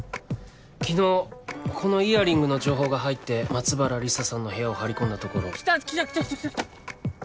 昨日このイヤリングの情報が入って松原理沙さんの部屋を張り込んだところ。来た来た来た来た！